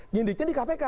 nyidiknya di kpk